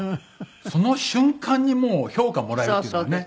その瞬間にもう評価もらえるっていうのがね。